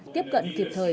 tiếp cận kịp thời